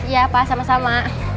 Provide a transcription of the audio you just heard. ya pak sama sama